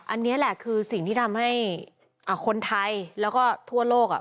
อันนี้แหละคือสิ่งที่ทำให้คนไทยแล้วก็ทั่วโลก